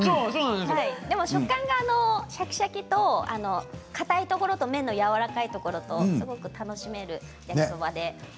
食感のシャキシャキとかたいところと麺のやわらかいところとすごく楽しめる焼きそばで。